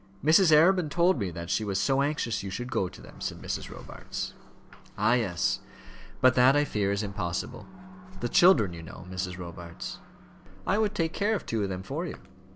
"Mrs. Arabin told me that she was so anxious you should go to them," said Mrs. Robarts. "Ah, yes; but that I fear is impossible. The children, you know, Mrs. Robarts." "I would take care of two of them for you."